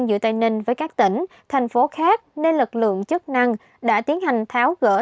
giữa tây ninh với các tỉnh thành phố khác nên lực lượng chức năng đã tiến hành tháo gỡ